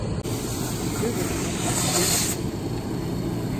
Que veux-tu donc me couper ?